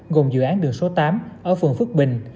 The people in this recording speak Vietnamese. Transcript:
gồm dự án đường số tám ở phường phước bình